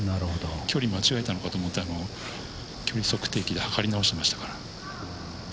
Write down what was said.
距離間違えたのかと思って距離測定器で測り直してましたから。